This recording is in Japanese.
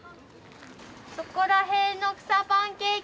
「そこらへんの草パンケーキ」